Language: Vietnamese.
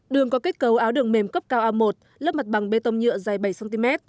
đường có kết cấu áo đường mềm cấp cao a một lớp mặt bằng bê tông nhựa dài bảy cm